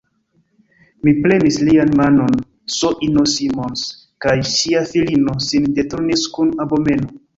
Mi premis lian manon; S-ino Simons kaj ŝia filino sin deturnis kun abomeno.